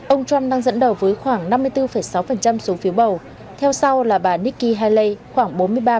ông trump đang dẫn đầu với khoảng năm mươi bốn sáu số phiếu bầu theo sau là bà nikki haley khoảng bốn mươi ba